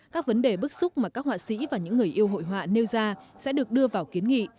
các vấn đề bức xúc mà các họa sĩ và những người yêu hội họa nêu ra sẽ được đưa vào kiến nghị